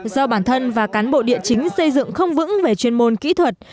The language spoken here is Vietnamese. do bản thân và cán bộ địa chính xây dựng không vững về chuyên môn kỹ thuật